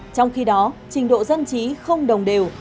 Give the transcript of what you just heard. trong khi đó trình độ dân trí không đồng đều